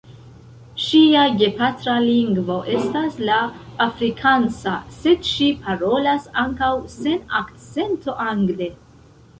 Ŝia gepatra lingvo estas la afrikansa, sed ŝi parolas ankaŭ sen akcento angle.